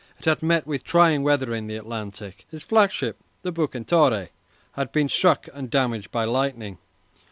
It had met with trying weather in the Atlantic. His flagship, the "Bucentaure," had been struck and damaged by lightning.